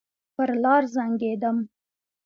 پر لار زنګېدم.